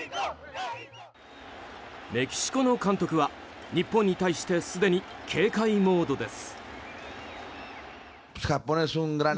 メキシコの監督は日本に対してすでに警戒モードです。